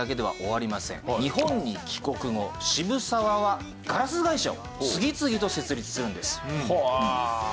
日本に帰国後渋沢はガラス会社を次々と設立するんです。